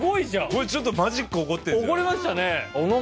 これちょっとマジック起こってるんじゃない？